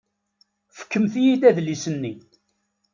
Fkemt-iyi-d adlis-nni.